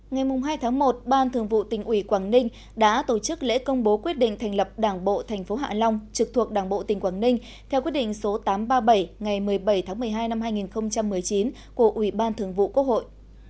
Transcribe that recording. ngày hai tháng một ban thường vụ tỉnh ủy quảng ninh đã tổ chức lễ công bố quyết định thành lập đảng bộ tp hạ long trực thuộc đảng bộ tỉnh quảng ninh theo quyết định số tám trăm ba mươi bảy ngày một mươi bảy tháng một mươi hai năm hai nghìn một mươi chín của ủy ban thường vụ quốc hội